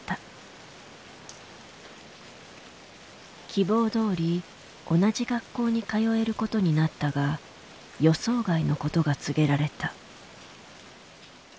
希望どおり同じ学校に通えることになったが予想外のことが告げられた。